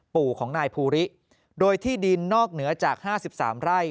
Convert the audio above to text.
ปู่ของนายภูริโดยที่ดินนอกเหนือจาก๕๓ไร่